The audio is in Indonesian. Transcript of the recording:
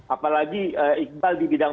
apalagi iqbal di bidang